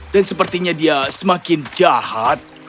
dan sepertinya dia semakin jahat